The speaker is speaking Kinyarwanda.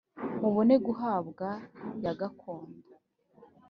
mubone guhabwa ya gakondo